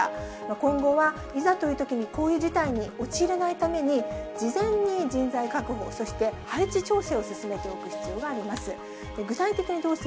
今後は、いざというときにこういう事態に陥らないために、事前に人材確保、そして配置調整を進めておく必要があります。